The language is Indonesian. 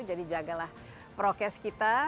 jadi jagalah prokes kita